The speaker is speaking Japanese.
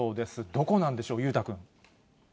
どこなんでしょう、裕太君。